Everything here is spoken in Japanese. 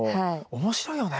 面白いよね。